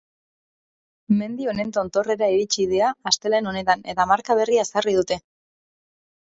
Mendi honen tontorrera iritsi dira astelehen honetan, eta marka berria ezarri dute.